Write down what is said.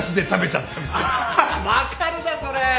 分かるなそれ！